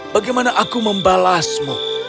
bagaimana aku membalasmu